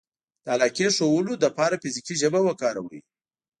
-د علاقې ښودنې لپاره فزیکي ژبه وکاروئ